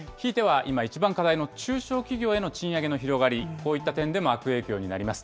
今一番課題の中小企業への賃上げの広がり、こういった点でも悪影響になります。